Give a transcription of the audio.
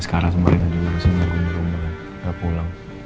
sekarang sama risa juga langsung nanggung di rumah gak pulang